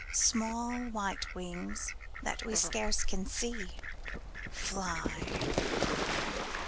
Small white wings that we scarce can see. Fly!